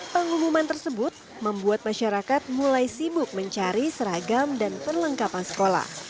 pengumuman tersebut membuat masyarakat mulai sibuk mencari seragam dan perlengkapan sekolah